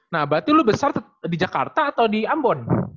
nah berarti lo besar di jakarta atau di ambon